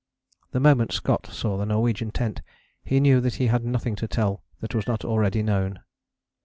The moment Scott saw the Norwegian tent he knew that he had nothing to tell that was not already known.